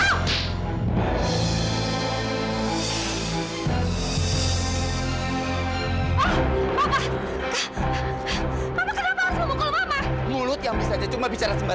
karena memutuskan ini apa yang ada di rumahienen